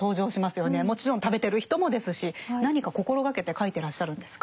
もちろん食べてる人もですし何か心掛けて書いてらっしゃるんですか。